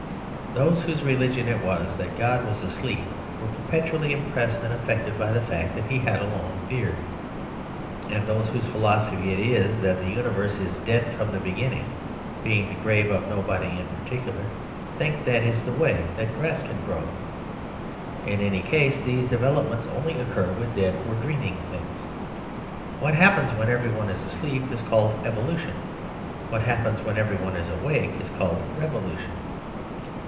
Those whose religion it was that God was asleep were perpetually impressed and affected by the fact that he had a long beard. And those whose philosophy it is that the universe is dead from the beginning (being the grave of nobody in particular) think that is the way that grass can grow. In any case, these developments only occur with dead or dreaming things. What happens when everyone is asleep is called Evolution. What happens when everyone is awake is called Revolution.